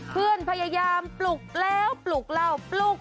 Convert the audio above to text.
เพื่อนพยายามปลุกแล้วปลุกเล่าปลุก